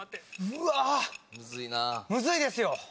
むずいですよ。